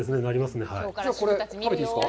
じゃあこれ、食べていいですか？